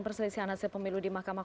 terima kasih sudah hadir